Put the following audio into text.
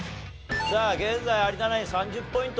さあ現在有田ナイン３０ポイント